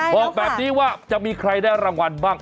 บอกแบบนี้ว่าจะมีใครได้รางวัลบ้าง